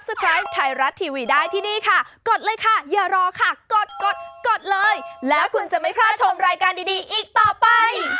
สำหรับทุกคนนี้โสดอยู่